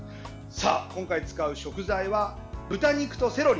今回使う食材は豚肉とセロリ。